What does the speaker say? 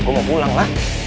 gue mau pulang lah